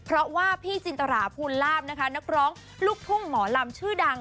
เพราะว่าพี่จินตราภูลลาบนะคะนักร้องลูกทุ่งหมอลำชื่อดัง